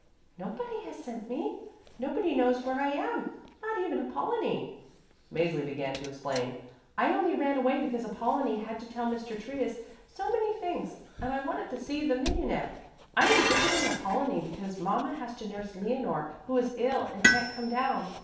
"Nobody has sent me. Nobody knows where I am, not even Apollonie," Mäzli began to explain. "I only ran away because Apollonie had to tell Mr. Trius so many things and I wanted to see the mignonette. I am visiting Apollonie because mama has to nurse Leonore, who is ill and can't come down.